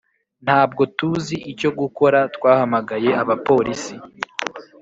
ntabwo tuzi icyo gukora, twahamagaye abapolisi.